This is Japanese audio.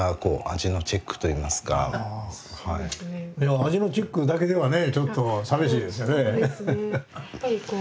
味のチェックだけではねちょっと寂しいですよね。